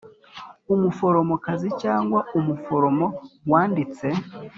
umuforomokazi cyangwa umuforomo wanditse